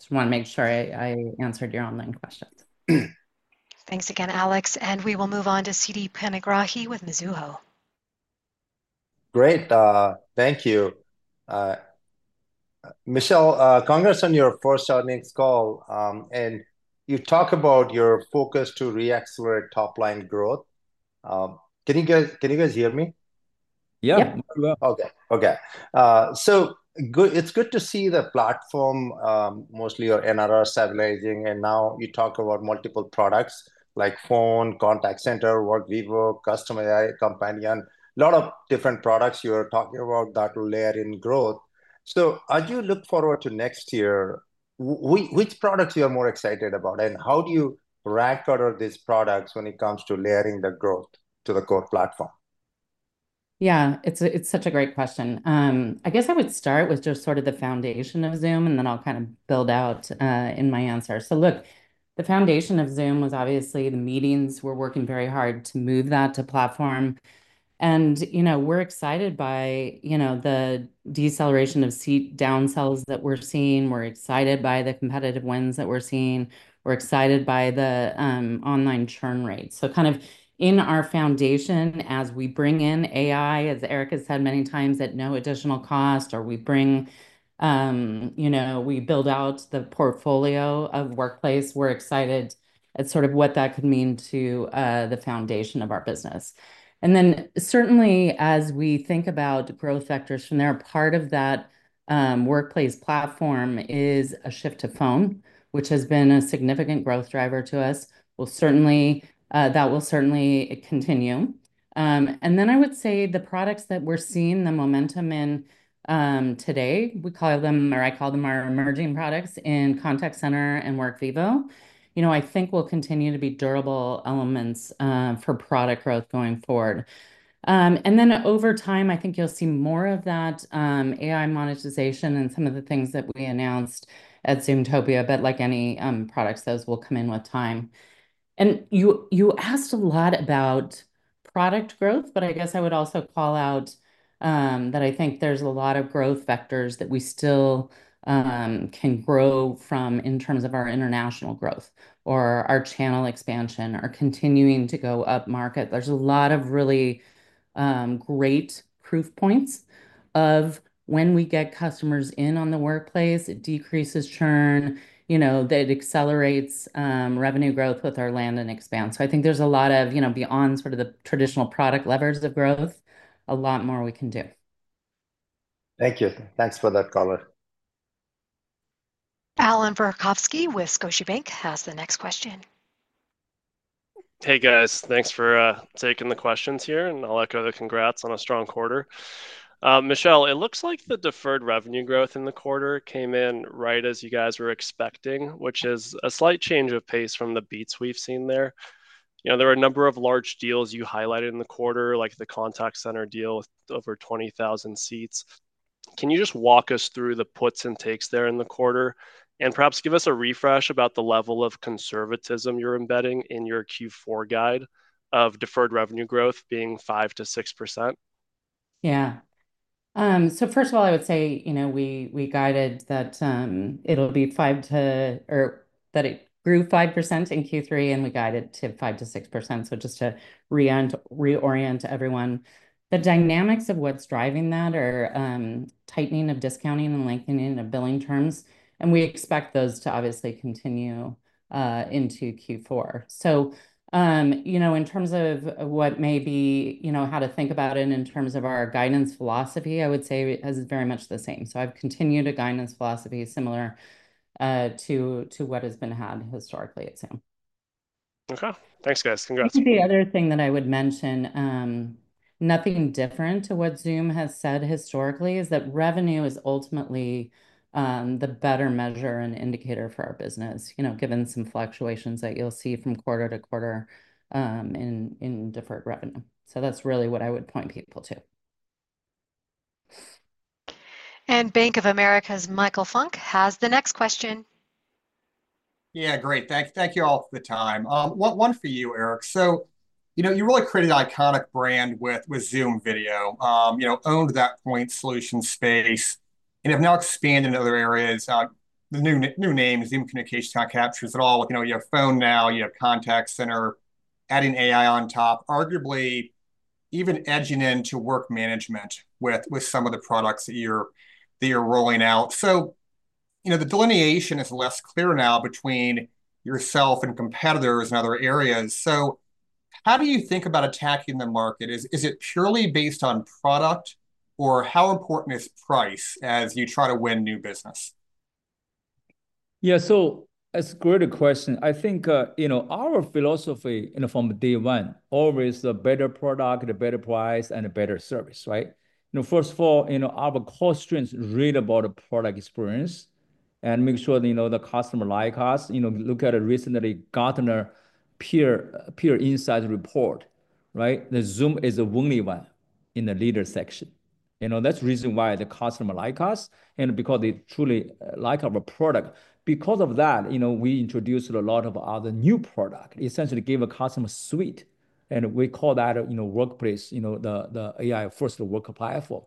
Just want to make sure I answered your online questions. Thanks again, Alex, and we will move on to Siti Panigrahi with Mizuho. Great. Thank you. Michelle, congrats on your first outreach call. And you talk about your focus to re-accelerate top line growth. Can you guys hear me? Yeah. Okay. Okay. So it's good to see the platform, mostly your NRR stabilizing. And now you talk about multiple products like phone, contact center, Workvivo, AI Companion, a lot of different products you are talking about that will layer in growth. So as you look forward to next year, which products you are more excited about? And how do you rank order these products when it comes to layering the growth to the core platform? Yeah, it's such a great question. I guess I would start with just sort of the foundation of Zoom, and then I'll kind of build out in my answer. Look, the foundation of Zoom was obviously the meetings. We're working very hard to move that to platform. And, you know, we're excited by, you know, the deceleration of seat downsells that we're seeing. We're excited by the competitive wins that we're seeing. We're excited by the online churn rate. So kind of in our foundation, as we bring in AI, as Eric has said many times, at no additional cost, or we bring, you know, we build out the portfolio of workplace, we're excited at sort of what that could mean to the foundation of our business. And then certainly, as we think about growth factors from there, part of that workplace platform is a shift to phone, which has been a significant growth driver to us. Well, certainly, that will certainly continue. And then I would say the products that we're seeing the momentum in today, we call them, or I call them our emerging products in contact center and Workvivo, you know, I think will continue to be durable elements for product growth going forward. And then over time, I think you'll see more of that AI monetization and some of the things that we announced at Zoomtopia. But like any products, those will come in with time. You asked a lot about product growth, but I guess I would also call out that I think there's a lot of growth vectors that we still can grow from in terms of our international growth or our channel expansion or continuing to go upmarket. There's a lot of really great proof points of when we get customers in on the workplace. It decreases churn, you know, that accelerates revenue growth with our land and expand. I think there's a lot of, you know, beyond sort of the traditional product levers of growth, a lot more we can do. Thank you. Thanks for that color. Allan Verkhovski with Scotiabank has the next question. Hey, guys. Thanks for taking the questions here. And I'll echo the congrats on a strong quarter. Michelle, it looks like the deferred revenue growth in the quarter came in right as you guys were expecting, which is a slight change of pace from the beats we've seen there. You know, there were a number of large deals you highlighted in the quarter, like the contact center deal with over 20,000 seats. Can you just walk us through the puts and takes there in the quarter and perhaps give us a refresh about the level of conservatism you're embedding in your Q4 guide of deferred revenue growth being 5%-6%? Yeah. So first of all, I would say, you know, we guided that it'll be 5 to, or that it grew 5% in Q3, and we guided to 5%-6%. So just to reorient everyone, the dynamics of what's driving that are tightening of discounting and lengthening of billing terms. And we expect those to obviously continue into Q4. So, you know, in terms of what may be, you know, how to think about it in terms of our guidance philosophy, I would say it is very much the same. So I've continued a guidance philosophy similar to what has been had historically at Zoom. Okay. Thanks, guys. Congrats. Maybe the other thing that I would mention, nothing different to what Zoom has said historically, is that revenue is ultimately the better measure and indicator for our business, you know, given some fluctuations that you'll see from quarter to quarter in deferred revenue. So that's really what I would point people to. Bank of America's Michael Funk has the next question. Yeah, great. Thank you all for the time. One for you, Eric. So, you know, you really created an iconic brand with Zoom Video, you know, owned that point solution space, and have now expanded in other areas. The new name, Zoom Communications, how it captures it all, you know, you have Phone now, you have Contact Center, adding AI on top, arguably even edging into work management with some of the products that you're rolling out. So, you know, the delineation is less clear now between yourself and competitors in other areas. So how do you think about attacking the market? Is it purely based on product or how important is price as you try to win new business? Yeah, so that's a great question. I think, you know, our philosophy from day one always the better product, the better price, and the better service, right? You know, first of all, you know, our core strengths really about the product experience and make sure that, you know, the customer like us, you know, look at a recently Gartner Peer Insights report, right? The Zoom is the only one in the leader section. You know, that's the reason why the customer like us and because they truly like our product. Because of that, you know, we introduced a lot of other new products, essentially gave a customer suite, and we call that, you know, workplace, you know, the AI-first work platform.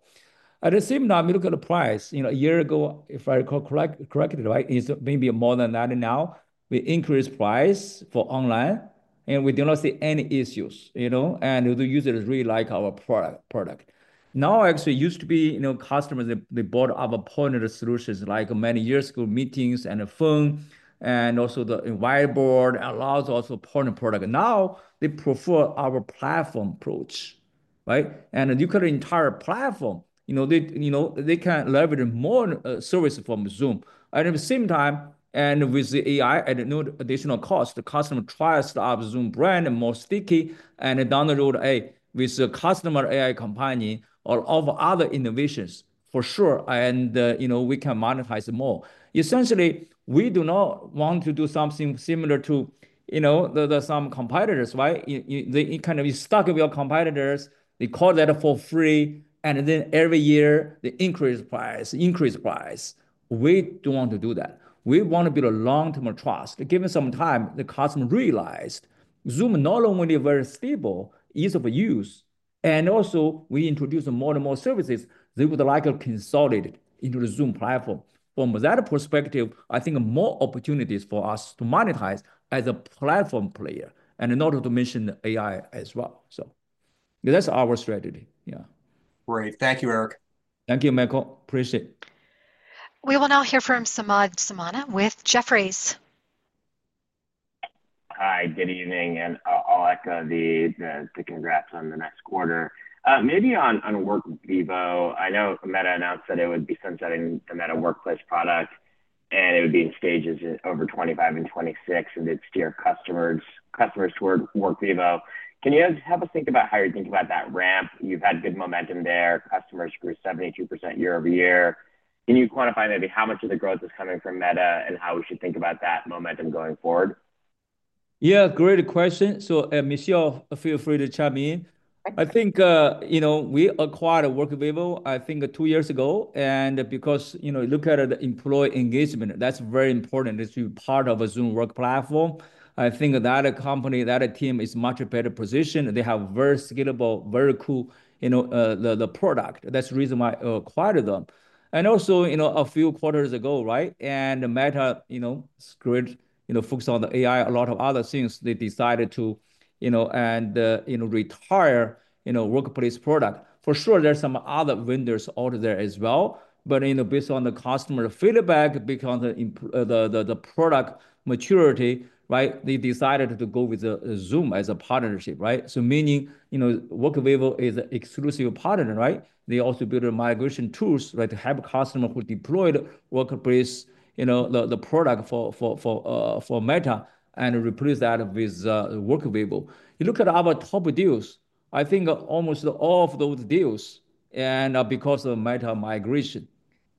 At the same time, we look at the price. You know, a year ago, if I recall correctly, right, it's maybe more than that now. We increased price for online, and we did not see any issues, you know, and the users really like our product. Now, actually, it used to be, you know, customers, they bought our partner solutions like many years ago, meetings and phone and also the whiteboard and lots of partner products. Now they prefer our platform approach, right? And the entire platform, you know, they can leverage more service from Zoom. And at the same time, and with the AI and no additional cost, the customers trust the Zoom brand and more sticky and loyal to the Zoom AI Companion or other innovations for sure. And, you know, we can monetize more. Essentially, we do not want to do something similar to, you know, some competitors, right? They kind of get stuck with our competitors. They call that for free. And then every year they increase price, increase price. We don't want to do that. We want to build a long-term trust. Given some time, the customer realized Zoom not only very stable, ease of use, and also we introduce more and more services they would like to consolidate into the Zoom platform. From that perspective, I think more opportunities for us to monetize as a platform player and not to mention the AI as well. So that's our strategy. Yeah. Great. Thank you, Eric. Thank you, Michael. Appreciate it. We will now hear from Samad Samana with Jefferies. Hi, good evening. And I'll echo the congrats on the next quarter. Maybe on Workvivo, I know Meta announced that it would be sunsetting the Meta Workplace product, and it would be in stages over 2025 and 2026, and it's to steer your customers toward Workvivo. Can you help us think about how you're thinking about that ramp? You've had good momentum there. Customers grew 72% year over year. Can you quantify maybe how much of the growth is coming from Meta and how we should think about that momentum going forward? Yeah, great question. So Michelle, feel free to chime in. I think, you know, we acquired Workvivo, I think two years ago. And because, you know, look at the employee engagement, that's very important to be part of a Zoom Workplace. I think that a company, that a team is much better positioned. They have very scalable, very cool, you know, the product. That's the reason why I acquired them. And also, you know, a few quarters ago, right? And Meta, you know, screwed, you know, focused on the AI, a lot of other things they decided to, you know, and, you know, retire, you know, Workplace product. For sure, there's some other vendors out there as well. But, you know, based on the customer feedback, because the product maturity, right, they decided to go with Zoom as a partnership, right? So meaning, you know, Workvivo is an exclusive partner, right? They also built migration tools, right, to have a customer who deployed Workplace, you know, the product for Meta and replace that with Workvivo. You look at our top deals, I think almost all of those deals and because of Meta migration.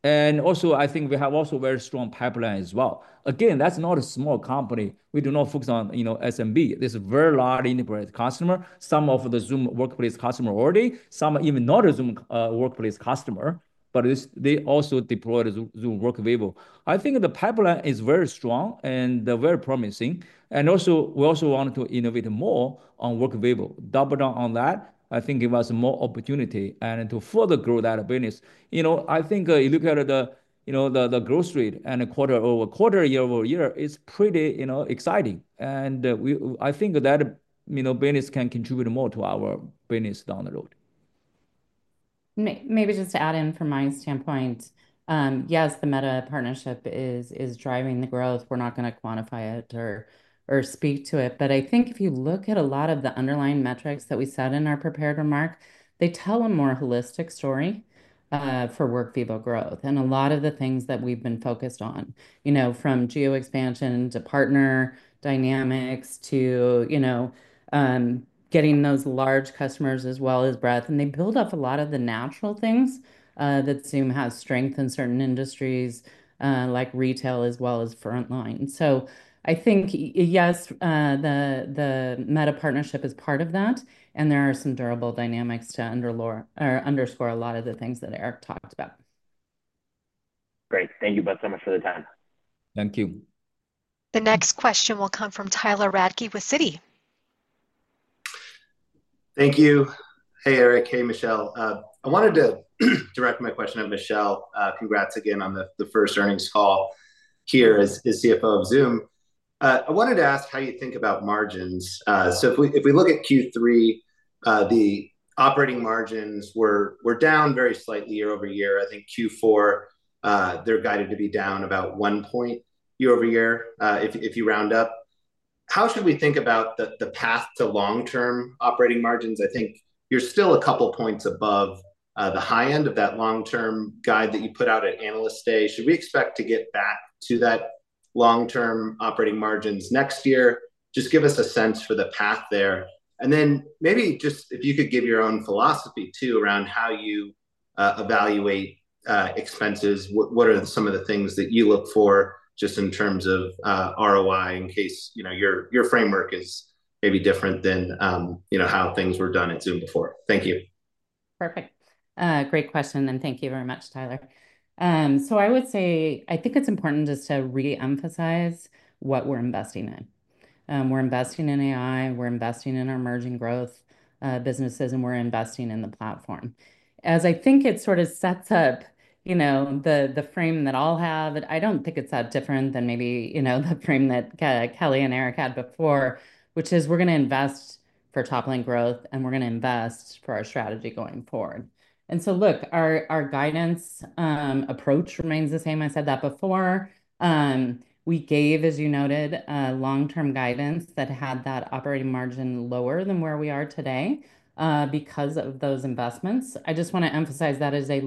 And also, I think we have also a very strong pipeline as well. Again, that's not a small company. We do not focus on, you know, SMB. This is a very large integrated customer. Some of the Zoom Workplace customer already, some even not a Zoom Workplace customer, but they also deployed Zoom Workvivo. I think the pipeline is very strong and very promising. And also, we also want to innovate more on Workvivo. Double down on that, I think gives us more opportunity and to further grow that business. You know, I think you look at the, you know, the growth rate and quarter over quarter, year over year, it's pretty, you know, exciting. And I think that, you know, business can contribute more to our business down the road. Maybe just to add in from my standpoint, yes, the Meta partnership is driving the growth. We're not going to quantify it or speak to it. But I think if you look at a lot of the underlying metrics that we said in our prepared remark, they tell a more holistic story for Workvivo growth and a lot of the things that we've been focused on, you know, from geo-expansion to partner dynamics to, you know, getting those large customers as well as breadth. And they build up a lot of the natural things that Zoom has strength in certain industries like retail as well as frontline. So I think, yes, the Meta partnership is part of that. And there are some durable dynamics to underscore a lot of the things that Eric talked about. Great. Thank you both so much for the time. Thank you. The next question will come from Tyler Radke with Citi. Thank you. Hey, Eric. Hey, Michelle. I wanted to direct my question to Michelle. Congrats again on the first earnings call here as CFO of Zoom. I wanted to ask how you think about margins. So if we look at Q3, the operating margins were down very slightly year over year. I think Q4, they're guided to be down about one point year over year if you round up. How should we think about the path to long-term operating margins? I think you're still a couple points above the high end of that long-term guide that you put out at Analyst Day. Should we expect to get back to that long-term operating margins next year? Just give us a sense for the path there. And then, maybe just if you could give your own philosophy too around how you evaluate expenses. What are some of the things that you look for just in terms of ROI in case, you know, your framework is maybe different than, you know, how things were done at Zoom before? Thank you. Perfect. Great question. And thank you very much, Tyler. So I would say I think it's important just to reemphasize what we're investing in. We're investing in AI. We're investing in our emerging growth businesses, and we're investing in the platform. As I think it sort of sets up, you know, the frame that I'll have, I don't think it's that different than maybe, you know, the frame that Kelly and Eric had before, which is we're going to invest for top-line growth, and we're going to invest for our strategy going forward. And so look, our guidance approach remains the same. I said that before. We gave, as you noted, long-term guidance that had that operating margin lower than where we are today because of those investments. I just want to emphasize that is a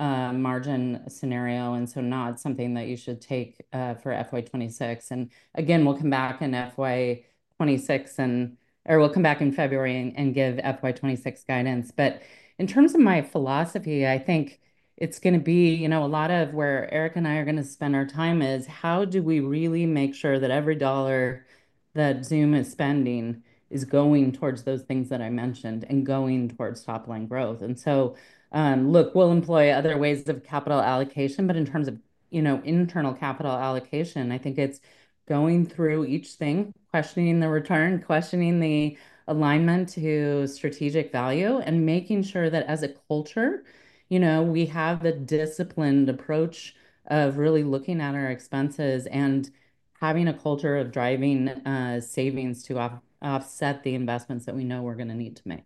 long-term margin scenario and so not something that you should take for FY2026. And again, we'll come back in FY2026 and, or we'll come back in February and give FY2026 guidance. But in terms of my philosophy, I think it's going to be, you know, a lot of where Eric and I are going to spend our time is how do we really make sure that every dollar that Zoom is spending is going towards those things that I mentioned and going towards top-line growth. And so look, we'll employ other ways of capital allocation, but in terms of, you know, internal capital allocation, I think it's going through each thing, questioning the return, questioning the alignment to strategic value, and making sure that as a culture, you know, we have the disciplined approach of really looking at our expenses and having a culture of driving savings to offset the investments that we know we're going to need to make.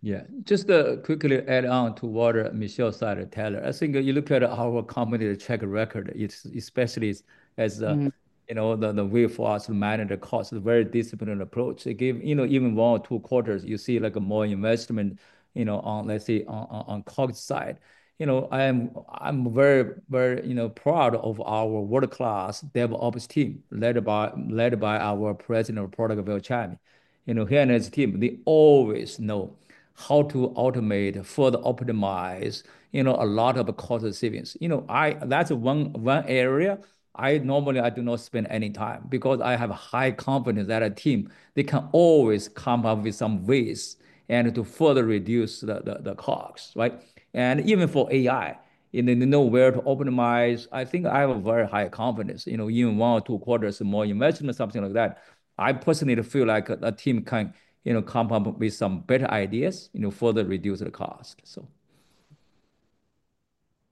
Yeah. Just to quickly add on to what Michelle said, Tyler, I think you look at our company's track record, especially as, you know, the way for us to manage the cost, very disciplined approach. Again, you know, even one or two quarters, you see like more investment, you know, on, let's say, on the COGS side. You know, I'm very, very, you know, proud of our world-class DevOps team led by our president of product, Velchamy. You know, he and his team, they always know how to automate to optimize, you know, a lot of cost savings. You know, that's one area I normally do not spend any time because I have high confidence that the team, they can always come up with some ways and to further reduce the cost, right? Even for AI, you know, where to optimize, I think I have a very high confidence, you know, even one or two quarters more investment, something like that. I personally feel like a team can, you know, come up with some better ideas, you know, further reduce the cost, so.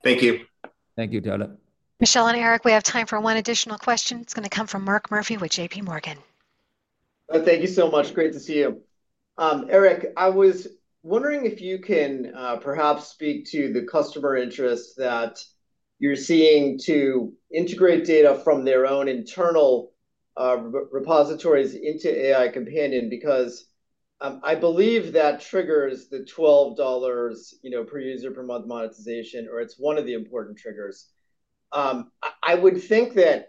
Thank you. Thank you, Tyler. Michelle and Eric, we have time for one additional question. It's going to come from Mark Murphy with J.P. Morgan. Thank you so much. Great to see you. Eric, I was wondering if you can perhaps speak to the customer interest that you're seeing to integrate data from their own internal repositories into AI Companion because I believe that triggers the $12, you know, per user per month monetization, or it's one of the important triggers. I would think that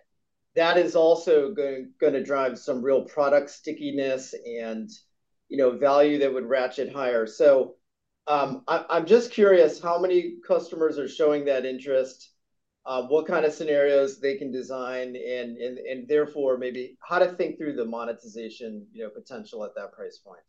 that is also going to drive some real product stickiness and, you know, value that would ratchet higher. So I'm just curious how many customers are showing that interest, what kind of scenarios they can design, and therefore maybe how to think through the monetization, you know, potential at that price point.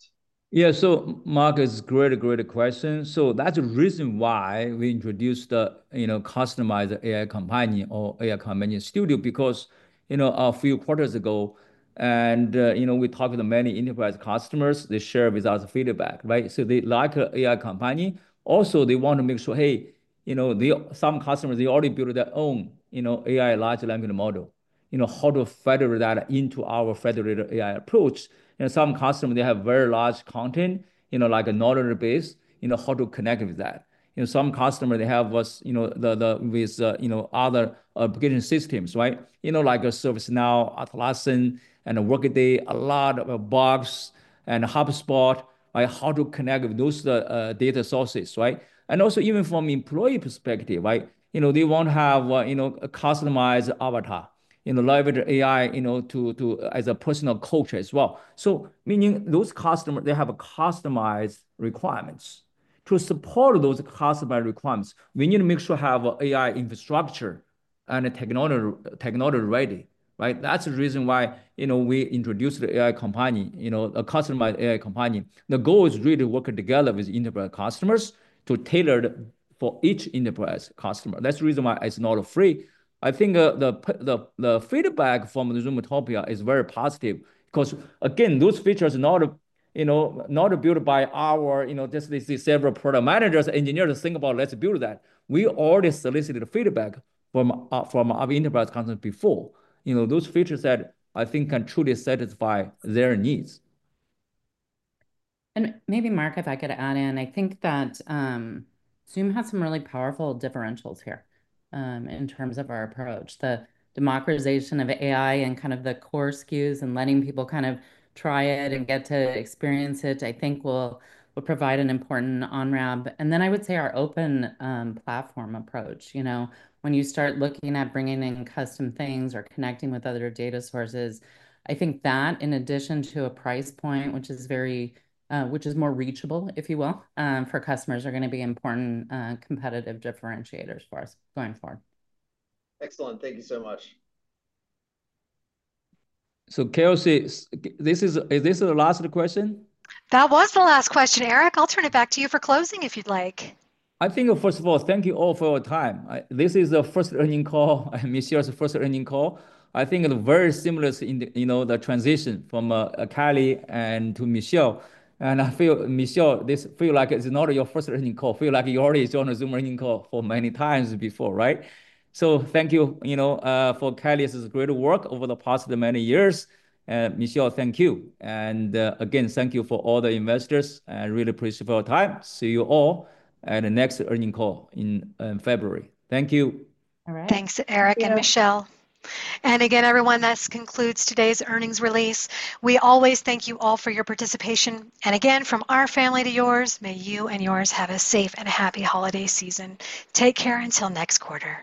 Yeah. So Mark, it's a great, great question. So that's the reason why we introduced the, you know, customized AI Companion or AI Companion Studio because, you know, a few quarters ago, and, you know, we talked to many enterprise customers, they shared with us feedback, right? So they like AI Companion. Also, they want to make sure, hey, you know, some customers, they already built their own, you know, AI large language model, you know, how to federate that into our federated AI approach. And some customers, they have very large content, you know, like a knowledge base, you know, how to connect with that. You know, some customers, they have us, you know, with, you know, other application systems, right? You know, like ServiceNow, Atlassian, and Workday, a lot of Box and HubSpot, right? How to connect with those data sources, right? And also even from employee perspective, right? You know, they want to have, you know, a customized avatar, you know, live with AI, you know, as a personal coach as well. So meaning those customers, they have customized requirements. To support those customized requirements, we need to make sure we have AI infrastructure and technology ready, right? That's the reason why, you know, we introduced the Zoom AI Companion, you know, a customized Zoom AI Companion. The goal is really to work together with enterprise customers to tailor for each enterprise customer. That's the reason why it's not free. I think the feedback from the Zoomtopia is very positive because, again, those features are not, you know, not built by our, you know, just these several product managers, engineers to think about, let's build that. We already solicited feedback from other enterprise customers before. You know, those features that I think can truly satisfy their needs. Maybe, Mark, if I could add in, I think that Zoom has some really powerful differentiators here in terms of our approach. The democratization of AI and kind of the core SKUs and letting people kind of try it and get to experience it, I think will provide an important on-ramp. Then I would say our open platform approach, you know, when you start looking at bringing in custom things or connecting with other data sources, I think that in addition to a price point, which is more reachable, if you will, for customers are going to be important competitive differentiators for us going forward. Excellent. Thank you so much. Kelsey, this is the last question? That was the last question, Eric. I'll turn it back to you for closing if you'd like. I think, first of all, thank you all for your time. This is the first earnings call, Michelle's first earnings call. I think it's very similar, you know, the transition from Kelly to Michelle. And I feel, Michelle, this feels like it's not your first earnings call. Feels like you already joined a Zoom earnings call for many times before, right? So thank you, you know, for Kelly's great work over the past many years. And Michelle, thank you. And again, thank you for all the investors. I really appreciate your time. See you all at the next earnings call in February. Thank you. All right. Thanks, Eric and Michelle and again, everyone, this concludes today's earnings release. We always thank you all for your participation and again, from our family to yours, may you and yours have a safe and happy holiday season. Take care until next quarter.